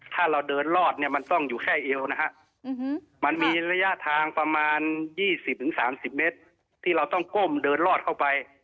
ถ้าเราเดินรอดเนี่ยมันต้องอยู่แค่เอวนะฮะมันมีระยะทางประมาณ๒๐๓๐เมตรที่เราต้องก้มเดินลอดเข้าไป